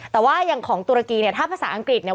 แต่ว่าอย่างของตุรกีเนี่ยถ้าภาษาอังกฤษเนี่ย